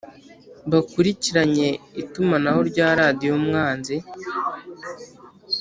bakurikiranye itumanaho rya radiyo umwanzi.